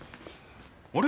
あれ？